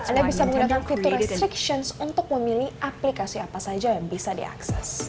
anda bisa menggunakan fitur restrictions untuk memilih aplikasi apa saja yang bisa diakses